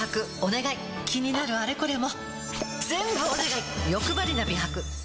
気になるあれこれもよくばりな美白歯